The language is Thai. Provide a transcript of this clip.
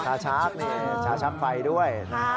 ชาชักนี่ชาชักไฟด้วย